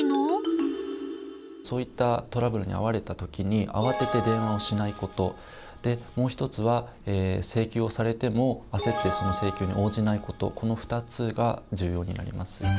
そういったトラブルに遭われた時にあわてて電話をしないこともう一つは請求をされてもあせってその請求に応じないことこの２つが重要になります。